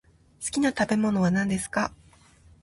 好きな食べ物は何ですか。